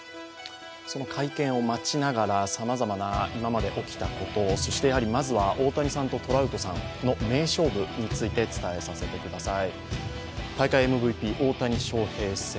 その会見を待ちながら、さまざまな今まで起きたこと、そしてまずは大谷さんとトラウトさんの名勝負について伝えさせてください。